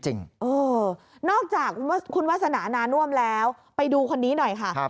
นอกจากคุณวาสนานาน่วมแล้วไปดูคนนี้หน่อยค่ะ